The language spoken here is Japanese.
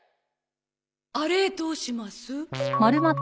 あれどうします？